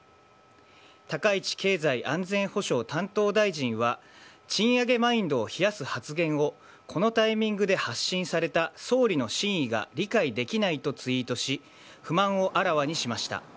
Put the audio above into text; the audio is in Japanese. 高市経済安全保障担当大臣は、賃上げマインドを冷やす発言を、このタイミングで発信された総理の真意が理解できないとツイートし、不満をあらわにしました。